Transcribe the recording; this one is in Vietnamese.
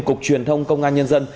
cục truyền thông công an nhân dân